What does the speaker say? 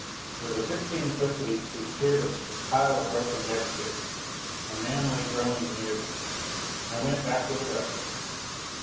With a fifteen foot leap we cleared a pile of broken deck chairs. A man lay groaning near them. I went back with a rush.